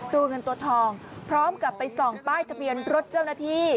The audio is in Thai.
ตัวเงินตัวทองพร้อมกับไปส่องป้ายทะเบียนรถเจ้าหน้าที่